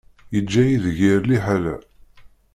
Yeǧǧa-yi deg yir liḥala.